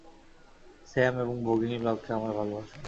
Sam এবং ভগিনী লককে আমার ভালবাসা।